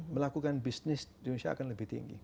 melakukan bisnis di indonesia akan lebih tinggi